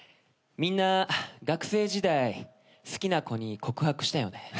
みんな学生時代好きな子に告白したよね。